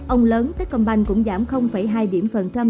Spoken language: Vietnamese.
ông lớn techcombank cũng giảm hai điểm phần trăm